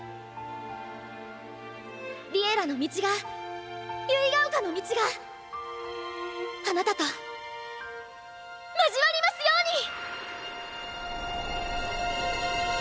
「Ｌｉｅｌｌａ！」の道が結ヶ丘の道があなたと交わりますように！